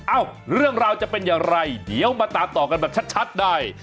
เอ้าเรื่องราวจะเป็นอย่างไรเดี๋ยวมาตามต่อกันแบบชัดได้